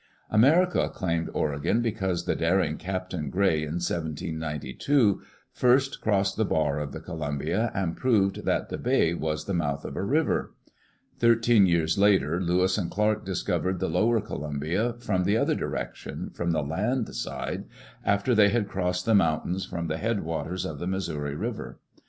America claimed Oregon because the daring Captain Gray, in 1792, first crossed the bar of the Columbia and proved that the "bay" was the mouth of a river. Thir Digitized by CjOOQ IC WHO OWNED THE "OREGON COUNTRY"? teen years later, Lewis and Clark discovered the lower Columbia from the other direction, from the land side, after they had crossed the mountains from the head waters of the Missouri River.